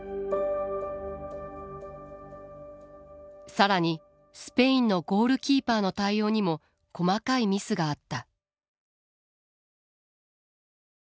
更にスペインのゴールキーパーの対応にも細かいミスがあった。